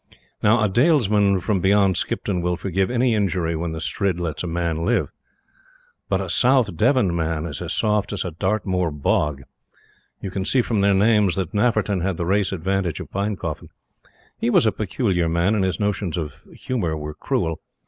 Now, a Dalesman from beyond Skipton will forgive an injury when the Strid lets a man live; but a South Devon man is as soft as a Dartmoor bog. You can see from their names that Nafferton had the race advantage of Pinecoffin. He was a peculiar man, and his notions of humor were cruel.